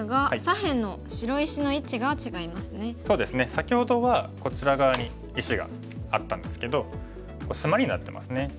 先ほどはこちら側に石があったんですけどシマリになってますね。